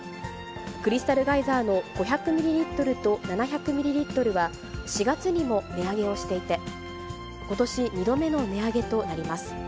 クリスタルガイザーの５００ミリリットルと７００ミリリットルは、４月にも値上げをしていて、ことし２度目の値上げとなります。